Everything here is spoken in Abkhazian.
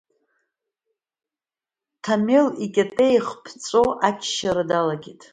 Ҭамел икьатеиах ԥҵәо аччара далагеит.